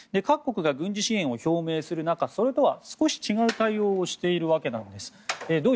各国が軍事支援を表明する中それとは少し違う対応をしているんです。